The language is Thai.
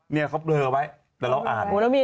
เนี่ยเขาเบลอไว้แต่เราอ่าน